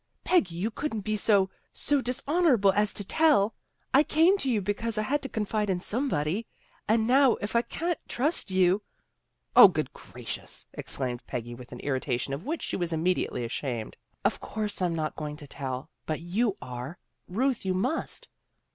Peggy, you couldn't be so so dishonorable as to tell. I came to you because I had to confide in somebody. And, now, if I can't trust you " 0, good gracious! " exclaimed Peggy with an irritation of which she was immediately ashamed. " Of course I'm not going to tell. But you are. Ruth, you must."